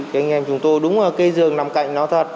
cái anh em chúng tôi đúng là cây dương nằm cạnh nó thật